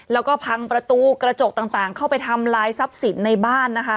แล้วก็พังประตูกระจกต่างเข้าไปทำลายทรัพย์สินในบ้านนะคะ